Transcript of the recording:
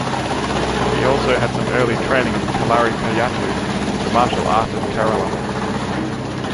He also had some early training in Kalaripayattu, the martial art of Kerala.